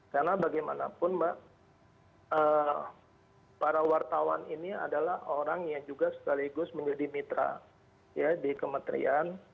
karena bagaimanapun mbak para wartawan ini adalah orang yang juga sekaligus menjadi mitra ya di kementerian